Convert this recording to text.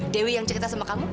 dewi yang cerita sama kamu